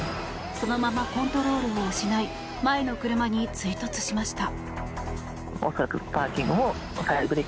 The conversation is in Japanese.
そのままコントロールを失い前の車に追突しました。